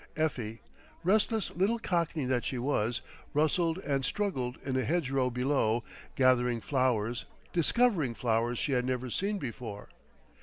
Effie, restless little cockney that she was, rustled and struggled in a hedgerow below, gathering flowers, discovering flowers she had never seen before.